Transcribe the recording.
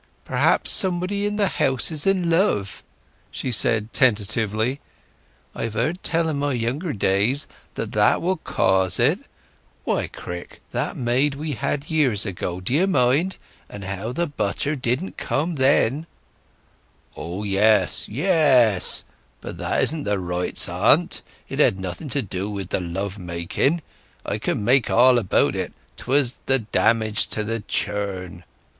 "Perhaps somebody in the house is in love," she said tentatively. "I've heard tell in my younger days that that will cause it. Why, Crick—that maid we had years ago, do ye mind, and how the butter didn't come then—" "Ah yes, yes!—but that isn't the rights o't. It had nothing to do with the love making. I can mind all about it—'twas the damage to the churn."